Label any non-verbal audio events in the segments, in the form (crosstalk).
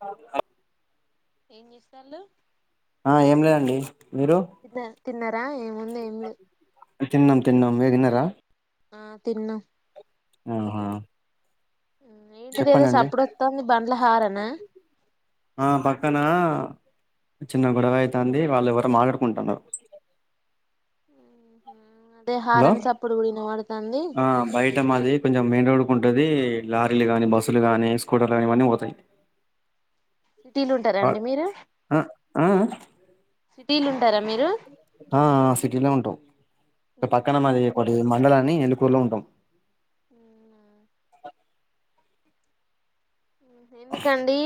అ ఏం చేస్తాళ్ళు ఆ ఏం లేదండి మీరు తిన్న తిన్నారా ఏముంది ఏం లేదు తిన్నాం తిన్నాం మీరు తిన్నారా ఆ తిన్న ఆహా ఏంటిది ఏదో చెప్పనండి సప్పుడు వత్తాంది బండ్ల హారనా ఆ పక్కన చిన్న గొడవ అయితాంది వాళ్ళు ఎవరు మాట్లాడుకుంటున్నారు హ్మ్మ్ హలో ఆ బయట మాది కొంచెం మెయిన్ రోడ్డుకి ఉంటది లారీలు గాని బస్సులు గాని స్కూటర్లు గాని ఇవన్నీ పోతాయి సిటీలు అ ఉంటారండి మీరు ఆ ఆ సిటీలున్ ఆ సిటీలో ఉంటాం పక్కన మాది ఒకటి మండలాన్ని ఎ గులో ఉంటాం ఉ ఎందుకండి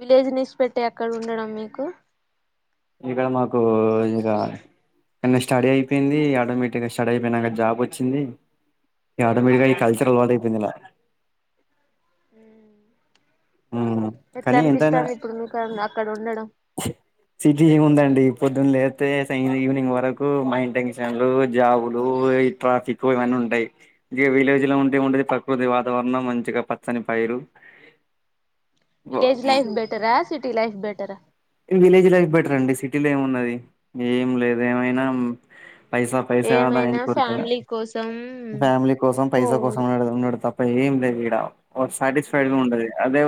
విలేజ్ నిశిపెట్టి అక్కడ ఉండడం మీకు ఇక్కడ మాకు ఇక స్టడీ అయిపోయింది ఆటోమేటిక్గా స్టడీ అయిపోయినాక జాబ్ వచ్చింది ఈగా ఆటోమెటిగ్గా ఈ కల్చర్ అలవాటు అయిపోఏంది ఇలా ఎట్లా కానీ ఎంతైనా అనిపిస్తాంది ఇప్పుడు మీకు అక్కడ ఉండడం సిటీ ఏముందండి పొద్దున లేతే ఈవినింగ్ వరకు మైం టెన్షన్లు జాబులు ట్రాఫిక్ ఇవన్నీ ఉంటాయి ఇ విలేజ్ లో ఉంటే ఏం ఉంటది ప్రకృతి వాతావరణం మంచిగా పచ్చని పైరు విలేజ్ లైఫ్ బెటరా సి టీ లైఫ్ బెటర్ ఆ విలేజ్ లైఫ్ బెటర్ అండి సిటీ లో ఏమి ఉన్నది ఏం లేదు ఏమైనా పైసా పైసా ఏమైనా (unintelligible) కోరుక ఫ్యామిలీ కోసం ఫ్యామిలీ కోసం పైసా పోవుడు కోసండు తప్ప ప ఏ వీడా సాటిస్ఫైడ్ ఉంటది అదే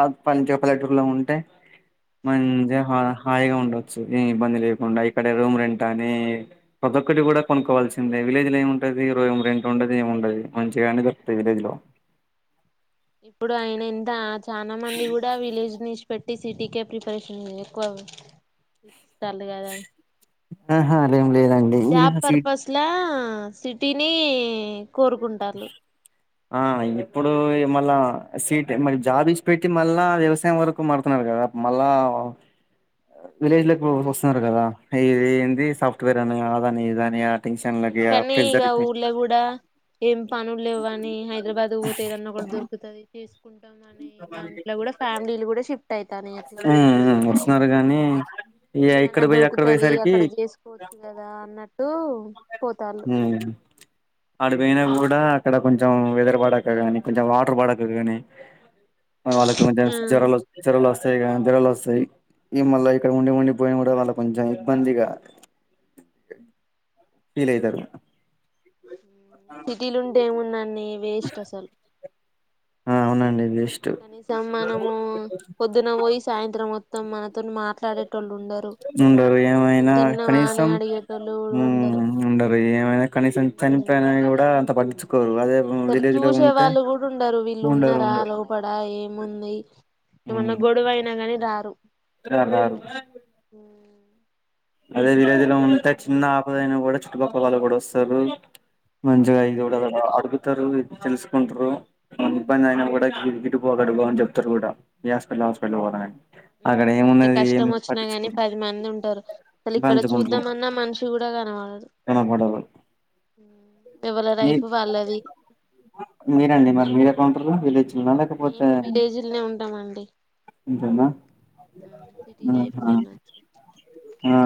ఆ పంచ పల్లెటూరులో ఉంటే మంచిగా హాయిగా ఉండొచ్చు ఇబ్బంది లేకుండా ఇక్కడ రూమ్ రెం కానీ ప్రదొక్కటి కూడా కొనుక్కోవాల్సిందే, విలేజ్ లో ఏమింటది ర రెట్ ఉండది ఏమిండది మంచిగాని దొరుకుతంది విలేజ్ లో ఇప్పుడు ఆయన ఎంత చాలా మంది కూడా విలేజ్ నుంచి పెట్ టి ప్రిపరషన్ ఎక్కువ తాలగాదని ఆహా అే జాబ్ పర్పస్లా ఆ సిటీని కోరుకుంటారు ఆ ఇప్పుడు మళ్ళా, సీట్ మరి జాబ్ ఇచ్చ పెట్టి మళ్ళా వ్యవసాయం వరకు మారుతున్నారు కదా, మళ్ళా విలేజ్ లో వస్తున్నారు కదా ఇది ఏంది సాఫ్ట్వేర్ అని అదని ఇద అని కనీ ఈగ ఊర్ల కూడా ఎం పను లేవని హైదరాబాద్ పోతే ఏదన్నా కూడా దొరుకుతుది అని దాంట్లో కూడా ఫ్యామిలీలు కూడాఫ వుతానే అట్లా ఉమ్ ఉమ్ వస్తున్నారు గానీ ఇగ ఇక్కడ ఏదన్నా పోయి అక్కడ దొరుకుతది పోయేసరికి అక్కడ చేసుకోవచ్చు కదా అన్నట్టు పోతాళ్ళు అడు కూడా అక్కడ కొంచెం వెదర్ పడాక కానీ కొంచెం వాటర్ పడాక కానీ (unintelligible) సరే (unintelligible) వస్తాయి ఈ మళా ఇక్కడ ఉండి ఉండి పోయిన కూడా మళ్ళ కొంచెం ఇబ్బందిగా ఫీల్ అయితారు సిటీలుంటే ఏమున్నాడి వేస్ట్ అసలు ఆ అవునండి వేస్ట్ కనీసం మనము పొద్దున పోయి సాయంత్రం తమ ఉండరు కనీసం ఏమైనా తిన్నవా అని కనీసం అడిగేటోళ్ళు కూడా ఉండరు ఉండరు ఏమైనా కనీసం చనిపో కూడా అంత ప సరే చూసే వాళ్ళు కూడా ఉండరు వీళ్ళు ఉండరు ఉన్నారా ఉండరు లోపడా ఏముంది ఏమన్నా గొడవయినా కానీ రారు రార్ రార్ అదే విలేజీలో ఉంటే చిన్న ఆపదయినా కూడా చుట్టుపక్కల వాళ్ళు కూడా వస్తారు. మంచకాయ చుడు అడు చెప్తారు తెలుసుకుంటారుఏమి ఇబ్బంది అయిన కూడా గిడిపోగడుపో అని చెప్తారు కూడా ఈ హాస్పిటల్ హాస్పిటల్ పోని ఊ ఏదన్నా కష్టం వచ్చినా గాని పది మంది ఉంటారు. అసల్ ఇక్కడ పంచుకుంటారు చూద్దామన్నా మనిషి కూడా కనవడదు. గుణపడరు మీ మీరండి మరి మీరేక్కడుంటారు విలేజ్ మేము విలేజీలోనే ఉంటామండి. ఎంతైంద సిటీ ఆ లైఫ్ ఆ మాకు నచ్చదు ఆ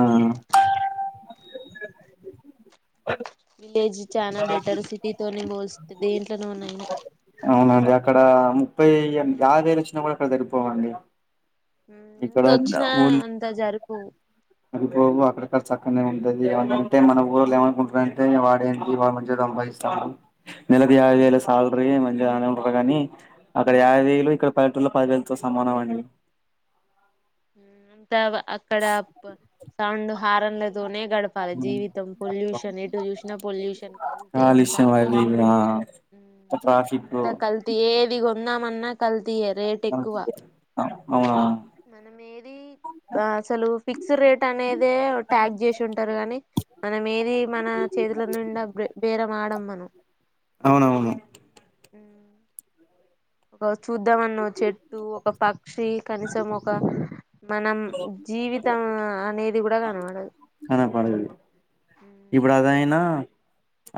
(unintelligible) విలేజ్ చానా బెటర్ సిటీ తోనే మోస్త దేంట్లోనేన్నాయి. ఇడ ముప్పై యాబై వేలువచ్చినా కూడా ఇక్కడ సరిపోవండి. హు ఇక్కడ ఎంతొచ్చినా అంత జరుపు అదిపో అక్కడక్కడ చక్కనే ఉంటుంది అంటే మన ఊళ్లో ఏమనుకుంటురంటే వాడేంటి వాడు మంచి సంపాదిస్తారు. నెలది యాబై వేలే సాలరి మన్ ఉంటారు కాగానీ అక్కడ యాభై వేలు ఇక్కడ పలిటూళ్లో పదివేలతో సమానం అండి. ఊ హు తగా అక్కడ సౌండ్ హార్న్లతోనే గడపాలి జీవితం పొల్యూషన్ ఎటు చూసినా పొల్యూషన్ కల్తీ అంత కాలుష్యం అది ఇది ఆ ట్రాఫిక్ అంత కల్తి ఏది కూడా ఉన్నా మన్నా కల్ కల్తీ ఆ ఆ మనం ఏది అసలు ఫిక్స్ రేట్ అనేదే ట్యాగ్ చేసి ఉంటారు కాని. మనం ఏది మన చేతుల నిండా బే బేరం ఆడం. మనం అవునవును. ఊ ఒ చూద్దామన్న చెట్టు, ఒక పక్షి కనీసం ఒక మనం జీవితం అనేది. అది కూడా కనబడదు. కనపడదది. ఇప్పుడు అదయినా.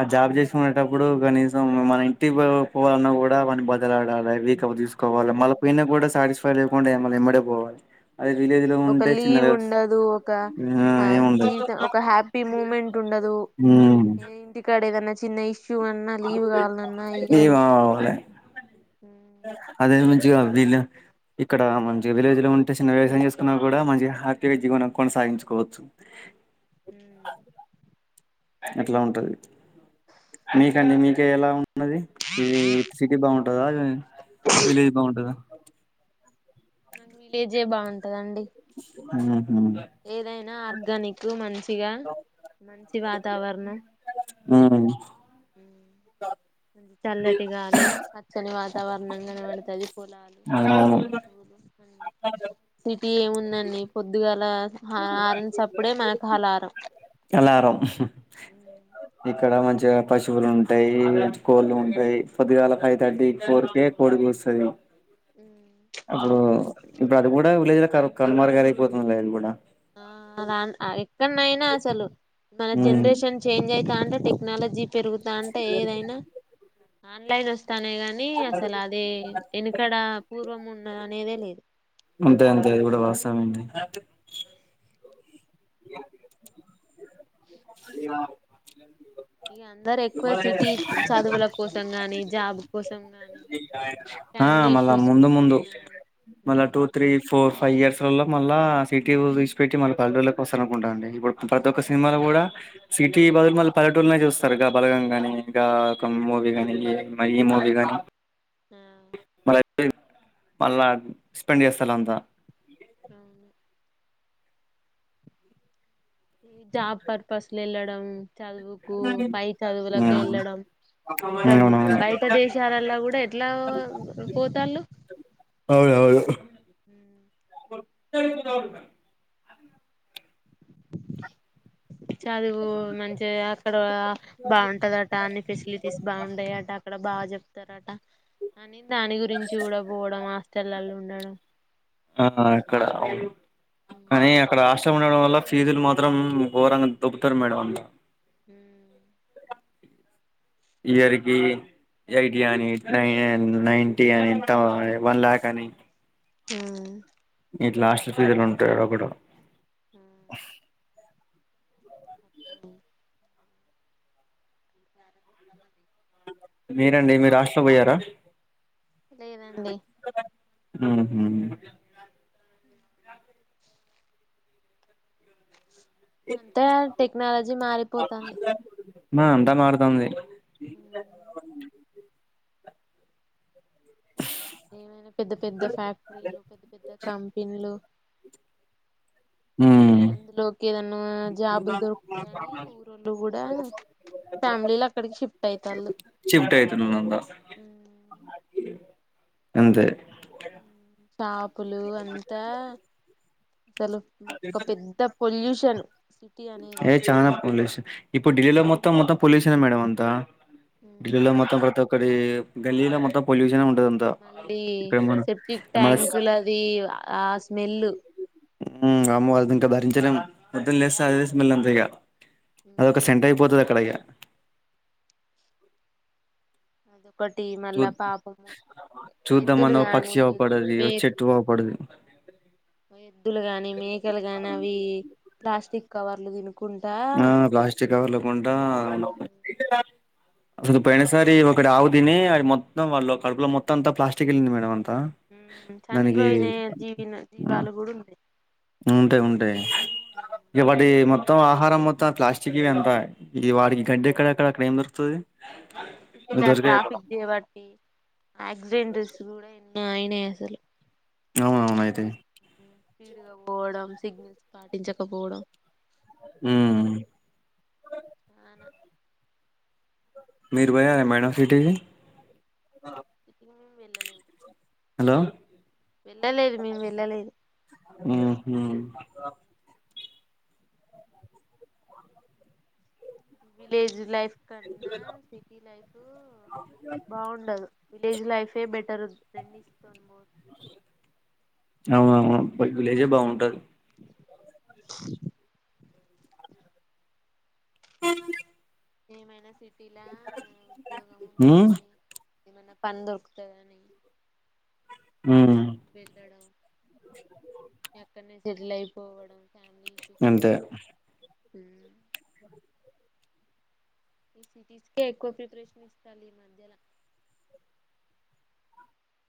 ఆ జాబ్ చేసుకునేటప్పుడు కనీసం మన ఇంటికి పోవాలన్నా కూడా వాన్ని బతమిలాలడాలి. తీసుకోవాలి మళ్ళ పైన కూడా సాటిస్ లేకుండా మళ్ళా ఎమ్మటే పోవాలి. అదే విలేజ్ లో ఒక ఉంటే చిన్న లీవ్ వ్యవస్ ఉండదు. ఒక ఆ ఏముండదు జీవితం, ఒక హ్యాపీ ముమెంట్ ఉండదు. ఉమ్ ఏ ఇంటికా అక్కడ ఏదన్న చిన్న ఇష్ చూవన్నా లీవ్ కాలనన్నా ఏం ఇయ్యరు. అవ్వలే అదే మంచిగా వీళ్ళు. ఇక్కడ మంచి విలేజ్ లో ఉంటే చిన్న వ్యవసాయం చేసుకున్నా కూడా మంచిగా హ్యాపీగా జీవనం కొనసాగించుకోవచ్చు. ఊ అట్లా ఉంటది. మీకండి. మీక ఎలా ఉ ఉన్నది ఇది సిటీ బాగుంటదా, విలేజ్ బాగుంటదా. నాకు విలేజే బాగుంటదండి. ఊ ఏదైనా ఆర్గానిక్ మం ఇగా మంచి వాతావరణం. చల్లటి గాలి పచ్చని వాతావరణం కనబడతాది పొలాలు అవునవును పశువులు కన్ వీ ఏముందండి పొద్దుగాల ఆ హారన్ చప్పుడే మాకు అలారం ఆహా ఉ ఇక్కడ మంచిగా పశువులు ఉంటయ్ కోళ్ళు ఉంటయి పొద్దుగాల ఫైవ్ థర్టీ ఫోర్ కే కోడికూస్తది అవు ఇప్పుడు అది కూడా విలేజ్ లో కనుమరిగిపోతుంది లే అది కూడా ఆ నాది ఆమ్స ఎక్కనయినా అసలు మన ఉమ్ జనరేషన్ చేంజ్ అయితాంటే టెక్ నేల జిప్ పెరుగుతాంటే ఏదైనా ఆన్లైన్ తనే గాని అసలది ఎనకడ పూర్వం ఉన్న అనేదే లేదు అంతే అంతే ఇది కూడా వాస్తవమె అండి (unintelligible) ఇగ అందరెక్కువ సిటీ చదువుల కోసం గాని జాబ్ కోసం గాని ఆ ఫ్యామిలీ మళ్ళ ఇష్యూస్ ముందు కోసం ముందు మళ్ళ టూ గాని త్రీ ఫోర్ ఫై ఇయర్స్ లలో మళ్ళ సిటీ వి ఇడిసిపెట్టి మళ్ళ పల్లెటూర్లకి వస్తారనుకుంటా అండి. ఇప్పుడు ఆ ప్రతొక్క సినిమాలో కూడా సిటీ బదులు మళ్ళీ పల్లెటూళ్లనే చూస్తరు గా బలగం గాని గా ఒక మూవీ గాని ఈ మూవీ గాని ఉం మళ్ళ మళ్ళా స్పెండ్ చేస్తారంతా అవును జాబ్ పర్పస్ ల ఎల్లడం చదువుకు పై హ్మ్ చదువులకు ఎళ్ళడం ఇంకా అవునవును. బయట దేశాలలో కూడా ఎట్లా పోతాళ్ళు అవ్ను అవ్ను మ్ (unintelligible) చదువు మంచిగా అక్కడ బాగుంటదట అన్ని ఫెసిలిటీస్ బాగుండయట అక్కడ బాగా చెప్ తరాటా అని దాని గురించి కూడా పోవడం హాస్టళ్ళలో ఉండడం ఆ అక్కడ మ్ చం ఉండడం వల్ల ఫీజులు మాత్రం ఘోరంగా దొబ్బుతారు మేడం అంతా ఇయర్ కి ఎయిటీ అని నై నైన్టీ అని అంత వన్ లాక్ అని మ్ ఇట్లా హాస్టల్ ఫీజలు ఉంటాయి అకడ (unintelligible) మీరండి మీరు హాస్టల్ పొయారా లేదండి మ్ హూ అంతే టెక్నాలజీ మారిపోతాంది మా అంతా మారుతాంది ఉ ఏమైనా పెద్ద పెద్ద ఫ్యాక్టరీలు పెద్ద పెద్ద కంపెనీలు హ అందులోకి ఏదన్నా జాబులు దొరుకుతాయని ఊరోళ్ళు కూడా ఫ్యామిలీలు అక్కడికి షిఫ్ట్ అయితాళ్ళు చిప్ట్ అయితన్న అంత అంతే పాపులు అంతా అసలు ఒక పెద్ద పొల్యూష్ చను ఏ చానా పోలీసు ఇప్పుడు ఢిల్లీలో మొత్ మ మొత్తం పొల్యూషన్ నే మేడమ్ అంత ఢిల్లీలో మొత్తం ప్రతి ఒ ఇక్కడ గల్లీలో మొత్తం పొల్యూషన్ ఉన్న మళ్ళీ సెప్టిక్ మన ట్యాంకులు అది ఆ స్మెల్లు హమ్ అమ్మవాలతో ఇంకా భరించలేం పొద్దున్న లేస్ నాకు తెలిసి మళ్లీ అంతేగా అదొక సెంటర్ అయిపోతది అక కడయ ఒకటి మళ్ళ పాపము ఎద్దులు చూద్దామన్న గానీ పక్షి కొన్ని అవుపడది మే చెట్టు అవుపడది ఎద్దులు కానీ మేకలు గాని అవి ప్లాస్టిక్ కవర్లు తిను ఆ ప్లాస్టిక్ కవర్ కొంటా జీర్ణం కావు అసలు పయినసారి ఒకటి ఆవు తిని అ మొత్తం కడుపులో మొత్తం అంత ప్లాస్టిక్ వెళ్ళింది మేడం అంతా హమ్ దానికి చనిపోయిన జీవిన ఆ జీవాలు కూడా ఉన్నాయి ఉంటాయి ఉంటాయి ఎపాటి మొత్తం ఆహారం మొత్త అంత ప్లాస్టిక్ ఇవి అంత ఈ వాడికి గడ్డి ఎక్కడక్కడ అక్కడ ఏం దొరుకుతుంది హ ట్రాఫిక్ బట్టి యాక్సిడెంట్ ఉన్నాయి హా అయినే అసలు అవునవును అయితే స్పీడుగా పోవడం సిగ్నల్స్ పాటించకపోవడం ఉమ్ వాన మీరు పోయారా మేడమ్ సిటీకి ఇకా మేము వెళ్ళలేదు హలో వెళ్ళలేదు మేము వెళ్ళలేదు హు హు విలేజ్ లైఫ్ కన్నా సిటీ లైఫ్ బాగుండదు విలేజ్ లైఫే బెటర్ రెండిటితో పోలిస్తే అవునవును విలేజే బాగుంటది వందు ఏమైన సిట్ ఇలా ఉమ్ ఉద్యోగముందని ఏమన్నా పని దొరుకుతాదని ఉమ్ వెళ్ళడ ఎక్కడనే సెటిల్ అయిపోవడం ఫ్యామిలీకి అంతే (unintelligible) (inaudible)